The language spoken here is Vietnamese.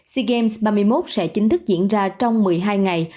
sea games ba mươi một sẽ chính thức diễn ra trong một mươi hai ngày